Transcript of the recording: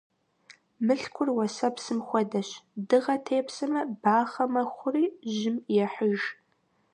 Мылъкур уэсэпсым хуэдэщ: дыгъэ тепсэмэ, бахъэ мэхъури, жьым ехьыж.